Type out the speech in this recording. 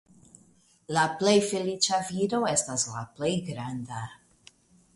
La plej feliĉa viro estas la plej granda.